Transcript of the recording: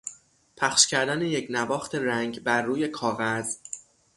پخش کردن یکنواخت رنگ بر روی کاغذ